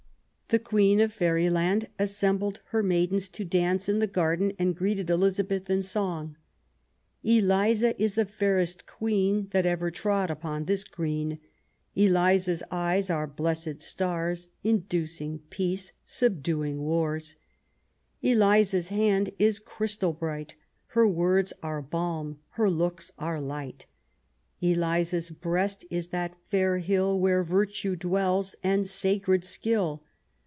The Queen of fairyland assembled her maidens to dance in the garden, and greeted Elizabeth in song :— Elisa iff the fairest Queen That ever trod upon this green ; Elisa's eyes are blessed stars, Inducing peace, subduing wars ; Elisa*s hand is christal bright ; Her words are balm ; her looks are light ; Elisa's breast is that fair hill Where virtue dwells and sacred skill.